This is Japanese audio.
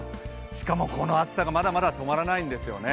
しかもこの暑さがまだまだ止まらないんですよね。